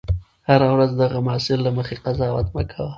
هره ورځ د هغه حاصل له مخې قضاوت مه کوه.